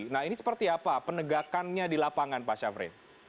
nah ini seperti apa penegakannya di lapangan pak syafri